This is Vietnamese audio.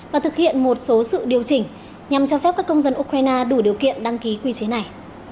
và thực hiện một số sự điều chỉnh nhằm cho phép các công dân ukraine đủ điều kiện đăng ký quy chế này